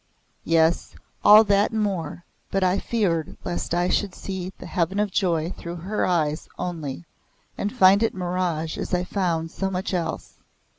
Yes, all that and more, but I feared lest I should see the heaven of joy through her eyes only and find it mirage as I had found so much else.